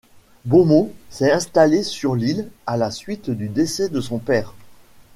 Beaumont s'est installé sur l'île à la suite du décès de son père.